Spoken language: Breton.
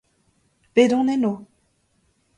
Bet on eno.